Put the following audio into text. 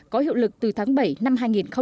có hiệu lực từ tháng bảy năm hai nghìn một mươi tám